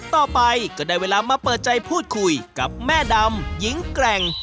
ต่อไปก็ได้เวลามาเปิดใจพูดคุยกับแม่ดำหญิงแกร่ง